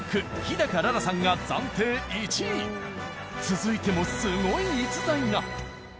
続いてもすごい逸材が。